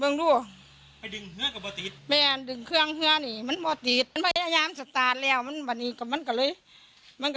นะมันยกมือเหมือนยกมือเฑียงชี่เหมือนว่างเป็นอย่าง